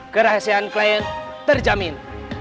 kerahasian klien terjamin